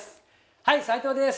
はい斉藤です！